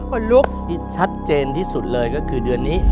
คนลุกที่ชัดเจนที่สุดเลยก็คือเดือนนี้